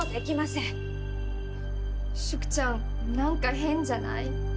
淑ちゃんなんか変じゃない？